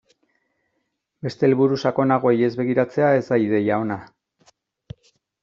Beste helburu sakonagoei ez begiratzea ez da ideia ona.